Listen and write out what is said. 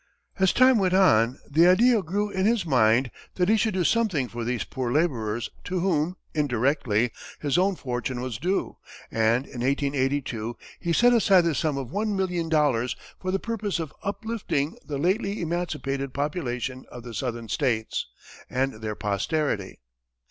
As time went on, the idea grew in his mind that he should do something for these poor laborers to whom, indirectly, his own fortune was due, and in 1882, he set aside the sum of one million dollars for the purpose of "uplifting the lately emancipated population of the Southern States, and their posterity."